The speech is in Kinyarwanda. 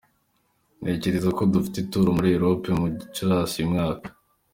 Ntekereza ko dufite Tour muri Europe muri Gicurasi uyu mwaka.